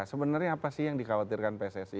sebenarnya apa sih yang dikhawatirkan pssi